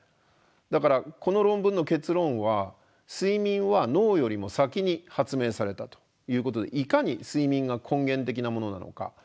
だからこの論文の結論は睡眠は脳よりも先に発明されたということでいかに睡眠が根源的なものなのか。